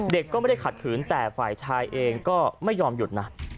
เด็กก็ไม่ได้ขัดขืนแต่ฝ่ายชายเองก็ไม่ยอมหยุดนะ